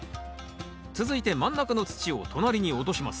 続いて真ん中の土を隣に落とします